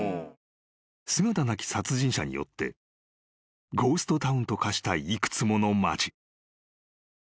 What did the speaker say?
［姿なき殺人者によってゴーストタウンと化した幾つもの町］